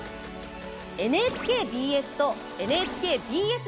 ＮＨＫＢＳとＮＨＫＢＳ